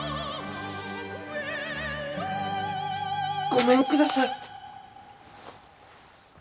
ごめんください。